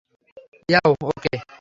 Yeah, ওকে।